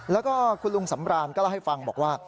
แล้วก็คุณลุงสำรานก็เล่าให้ฟังบอกว่า